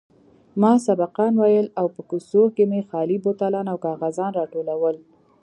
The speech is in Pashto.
ما سبقان ويل او په کوڅو کښې مې خالي بوتلان او کاغذان راټولول.